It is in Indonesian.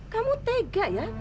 kamu tega ya